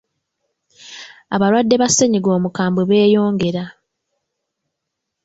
Abalwadde ba ssennyiga omukambwe beeyongera.